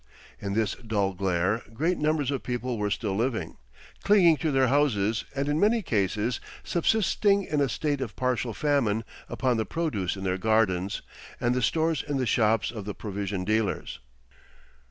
In this dull glare, great numbers of people were still living, clinging to their houses and in many cases subsisting in a state of partial famine upon the produce in their gardens and the stores in the shops of the provision dealers.